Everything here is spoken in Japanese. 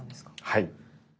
はい。